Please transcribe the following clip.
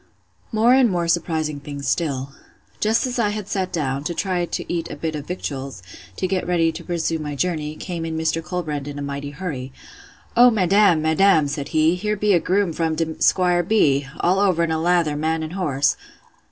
More and more surprising things still—— Just as I had sat down, to try to eat a bit of victuals, to get ready to pursue my journey, came in Mr. Colbrand in a mighty hurry. O madam! madam! said he, here be de groom from de 'Squire B——, all over in a lather, man and horse!